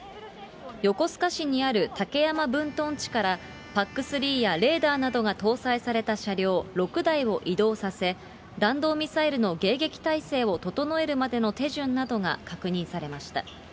横須賀市にある武山分屯地からＰＡＣ３やレーダーなどが搭載された車両６台を移動させ、弾道ミサイルの迎撃態勢を整えるまでの手順などが確認されました。